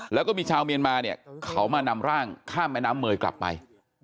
แล้วก็มีชาวเมียนมาเนี่ยเขามานำร่างข้ามแม่น้ำเมยกลับไป